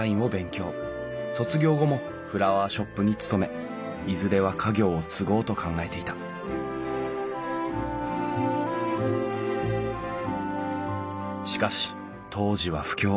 卒業後もフラワーショップに勤めいずれは家業を継ごうと考えていたしかし当時は不況。